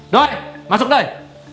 doi masuk doi